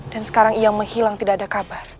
dan sekarang ia menghilang tidak ada kabar